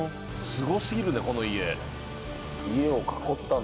すご過ぎるねこの家。